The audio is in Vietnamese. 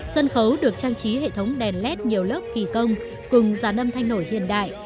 sân khấu được trang trí hệ thống đèn led nhiều lớp kỳ công cùng dán âm thanh nổi hiện đại